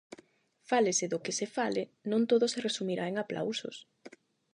Fálese do que se fale, non todo se resumirá en aplausos.